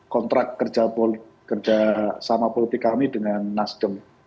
kontrak kerja sama politik kami dengan nasdem